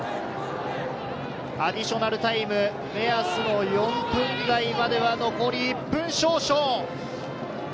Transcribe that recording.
アディショナルタイム、目安の４分台までは残り１分少々。